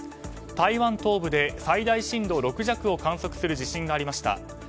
台湾東部で最大震度６弱を観測する地震がありました。